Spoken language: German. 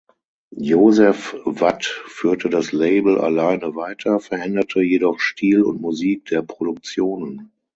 Joseph Watt führte das Label alleine weiter, veränderte jedoch Stil und Musik der Produktionen.